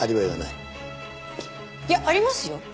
いやありますよ。